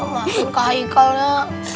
maksud kak haikalnya